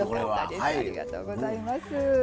ありがとうございます。